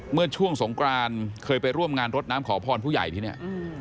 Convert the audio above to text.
เมื่อช่วงสงกรานเคยไปร่วมงานรดน้ำขอพรผู้ใหญ่ที่เนี่ย